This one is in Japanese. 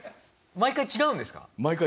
毎回違うんです。